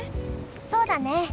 そうだね。